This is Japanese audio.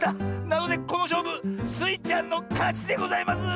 なのでこのしょうぶスイちゃんのかちでございます！